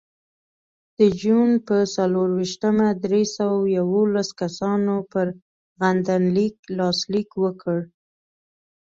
د جون په څلرویشتمه درې سوه یوولس کسانو پر غندنلیک لاسلیک وکړ.